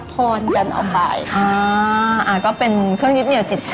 การที่บูชาเทพสามองค์มันทำให้ร้านประสบความสำเร็จ